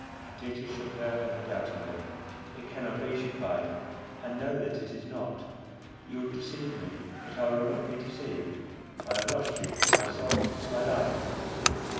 Perdita shook her head doubtingly: "It cannot be," she cried, "I know that it is not. You would deceive me, but I will not be deceived. I have lost you, myself, my life!"